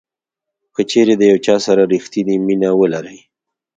کچیرې د یو چا سره ریښتینې مینه ولرئ.